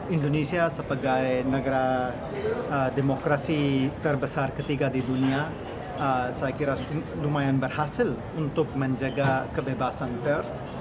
indonesia sebagai negara demokrasi terbesar ketiga di dunia saya kira lumayan berhasil untuk menjaga kebebasan pers